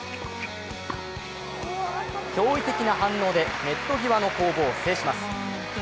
驚異的な反応でネット際の攻防を制します。